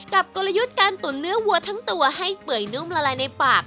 กลยุทธ์การตุ๋นเนื้อวัวทั้งตัวให้เปื่อยนุ่มละลายในปาก